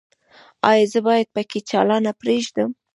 ایا زه باید پکۍ چالانه پریږدم؟